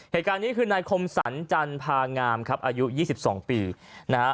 เหตุการณ์นี้คือนายคมสรรจันทร์พางามครับอายุยี่สิบสองปีนะฮะ